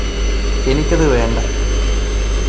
എനിക്കത് വേണ്ട